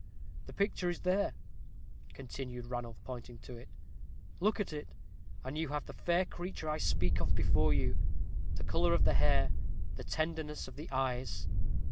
The picture is there," continued Ranulph, pointing to it: "look at it, and you have the fair creature I speak of before you; the color of the hair the tenderness of the eyes.